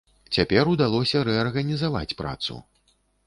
Цяпер удалося рэарганізаваць працу.